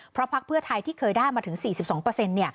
เพราะพักเพื่อไทยที่เคยได้มาถึง๔๒เปอร์เซ็นต์